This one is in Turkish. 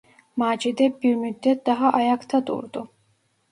Macide bir müddet daha ayakta durdu.